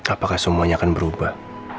apakah semuanya akan berubah